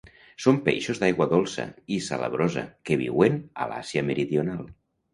Són peixos d'aigua dolça i salabrosa que viuen a l'Àsia Meridional.